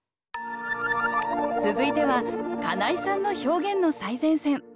続いては金井さんの「表現の最前線」。